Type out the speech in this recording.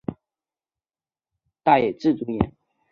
由大野智主演。